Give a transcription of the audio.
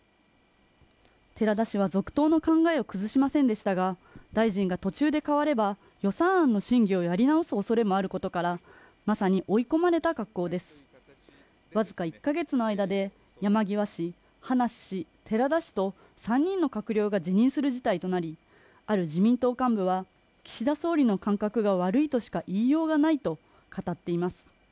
寺田氏は続投の考えを崩しませんでしたが大臣が途中で変われば予算案の審議をやり直す恐れもあることからまさに追い込まれた格好ですわずか１か月の間で山際氏葉梨氏寺田氏と３人の閣僚が辞任する事態となりある自民党幹部は岸田総理の感覚が悪いとしか言いようがないと語っています